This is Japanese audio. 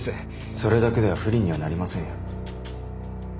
それだけでは不利にはなりませんよ。